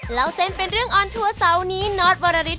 เหล้าเซนเป็นเรื่องออนทัวร์ทราวนีนอร์ทวรรฤษ